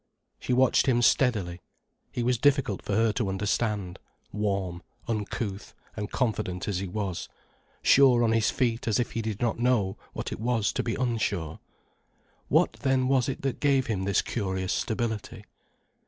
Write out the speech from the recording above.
She watched him steadily. He was difficult for her to understand, warm, uncouth, and confident as he was, sure on his feet as if he did not know what it was to be unsure. What then was it that gave him this curious stability?